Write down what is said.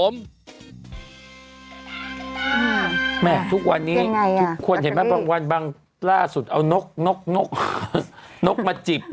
แม่ทุกวันนี้คนเห็นไหมบางวันบางล่าสุดเอานกนกมาจิบ